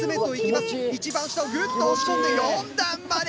一番下をグッと押し込んで４段まで！